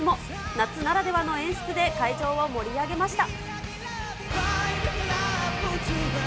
夏ならではの演出で会場を盛り上げました。